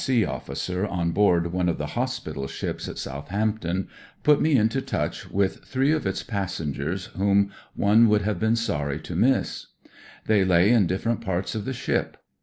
C. OFFICER on board one of the hospital ships at Southampton put me into touch with three of its passengers whom one would have been sorry to miss. They lay in different parts of the ship.